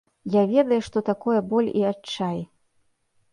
Я ведаю, што такое боль і адчай.